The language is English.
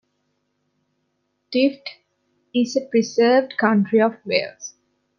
Dyfed is a preserved county of Wales.